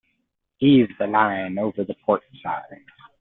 Heave the line over the port side.